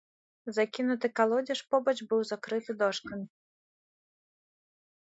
Закінуты калодзеж побач быў закрыты дошкамі.